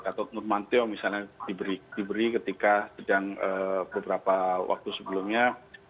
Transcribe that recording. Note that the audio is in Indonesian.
gatot nurmantio misalnya diberi ketika sedang beberapa waktu sebelumnya